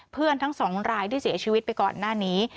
ทั้งสองรายที่เสียชีวิตไปก่อนหน้านี้